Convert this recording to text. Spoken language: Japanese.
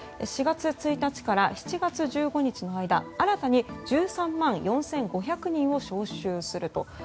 ４月１日から７月１５日の間新たに１３万４５００人を招集すると。